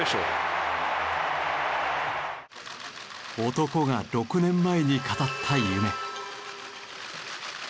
男が６年前に語った夢。